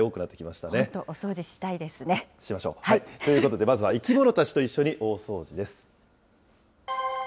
しましょう。ということでまずは生き物たちと一緒に大掃除です。